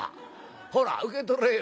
ほら受け取れよ。